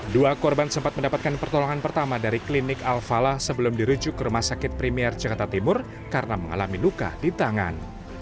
dua korban sempat mendapatkan pertolongan pertama dari klinik al falah sebelum dirujuk ke rumah sakit premier jakarta timur karena mengalami luka di tangan